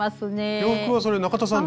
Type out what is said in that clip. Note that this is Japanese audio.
洋服はそれ中田さん